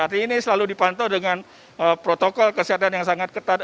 artinya ini selalu dipantau dengan protokol kesehatan yang sangat ketat